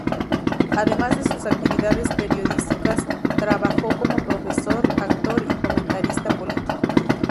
Además de sus actividades periodísticas, trabajó como profesor, actor y comentarista político.